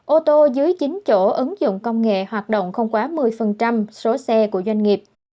ô tô dưới chín chỗ ứng dụng công nghệ hoạt động không quá một mươi số xe của doanh nghiệp